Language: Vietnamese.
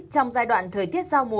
trong giai đoạn thời tiết giao mùa